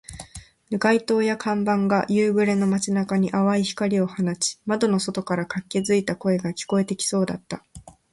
街灯や看板が夕暮れの街中に淡い光を放ち、窓の外から活気付いた声が聞こえてきそうだった